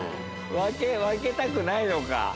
分けたくないのか。